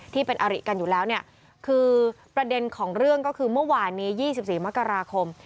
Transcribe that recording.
ที่เป็นอริกันอยู่แล้วเนี่ยคือประเด็นของเรื่องก็คือเมื่อวานนี้๒๔มกราคม